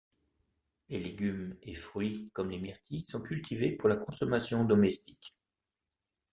Les légumes et fruits comme les myrtilles sont cultivés pour la consommation domestique.